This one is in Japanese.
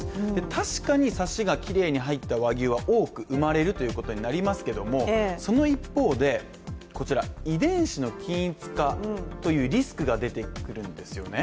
確かにサシがきれいに入った和牛は多く生まれるということになりますけれどもその一方で、遺伝子の均一化というリスクが出てくるんですね。